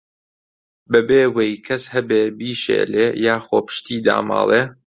بەبێ وەی کەس هەبێ بیشێلێ، یاخۆ پشتی داماڵێ